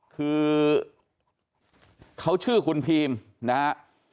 คือเขาชื่อคุณพีมนะฮะ